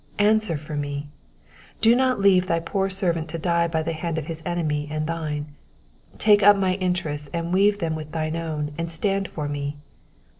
^* Answer for me. Do not leave thy poor servant to die by the hand of his enemy and thine. Take up my interests and weave them with thine own, and stand for me.